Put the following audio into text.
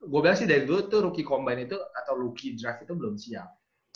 gue bilang sih dari dulu tuh rookie combine itu atau lookie drive itu belum siap